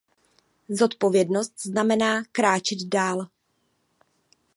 Zodpovědnost znamená kráčet dál.